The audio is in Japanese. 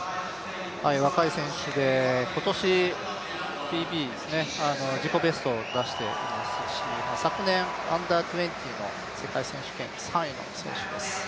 若い選手で今年、ＰＢ、自己ベストを出して、昨年Ｕ−２０の世界選手権３位の選手です。